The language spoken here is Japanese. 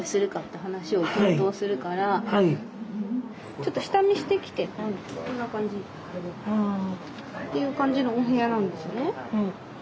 ちょっと下見してきてこんな感じ。っていう感じのお部屋なんですね。